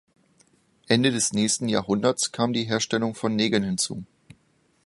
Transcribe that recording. Ende des nächsten Jahrhunderts kam die Herstellung von Nägeln hinzu.